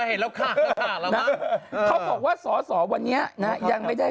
เมื่อกี้ผมข่าวดีมากกว่า